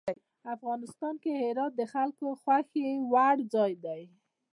افغانستان کې هرات د خلکو د خوښې وړ ځای دی.